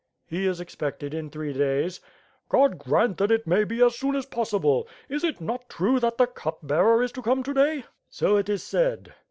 ''He is expected in three days." "Ood grant that it may be as soon as possible. Is it not true that the Cup Bearer is to come to day?" "So it is said.